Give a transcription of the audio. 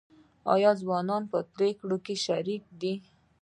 آیا ځوانان په پریکړو کې شریک دي؟